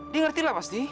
dia ngerti lah pasti